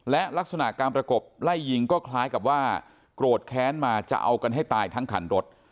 และลักษณะการประกบไล่ยิงก็คล้ายกับว่าโกรธแค้นมาจะเอากันให้ตายทั้งคันรถ